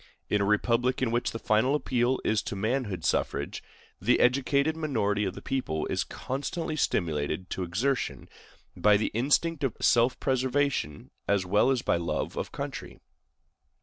In a republic in which the final appeal is to manhood suffrage, the educated minority of the people is constantly stimulated to exertion, by the instinct of self preservation as well as by love of country.